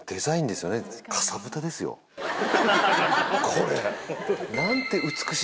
これ。